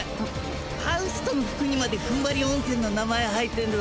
ファウストの服にまでふんばり温泉の名前入ってんぞ。